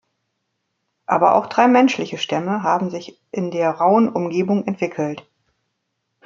Aber auch drei menschliche Stämme haben sich in der rauen Umgebung entwickelt.